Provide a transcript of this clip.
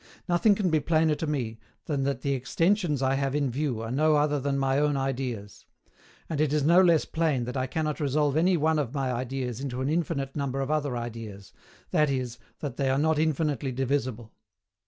Nothing can be plainer to me than that the extensions I have in view are no other than my own ideas; and it is no less plain that I cannot resolve any one of my ideas into an infinite number of other ideas, that is, that they are not infinitely divisible.